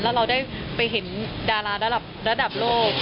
แล้วเราได้ไปเห็นดาราระดับโลก